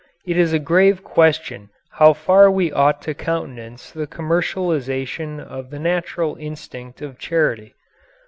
It is a grave question how far we ought to countenance the commercialization of the natural instinct of charity.